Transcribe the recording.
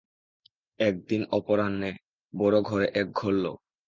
একদিন অপরাহ্নে বড় ঘরে একঘর লোক।